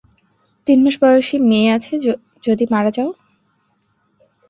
তিন মাস বয়সী মেয়ে আছে যদি মারা যাও?